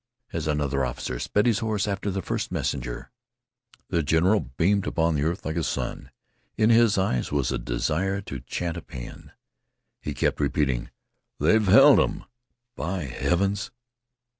As another officer sped his horse after the first messenger, the general beamed upon the earth like a sun. In his eyes was a desire to chant a paean. He kept repeating, "They 've held 'em, by heavens!"